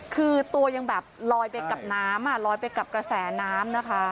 คือตัวยังแบบลอยไปกับน้ำลอยไปกับกระแสน้ำนะคะ